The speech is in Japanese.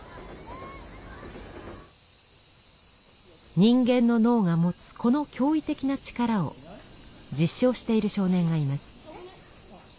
人間の脳が持つこの驚異的な力を実証している少年がいます。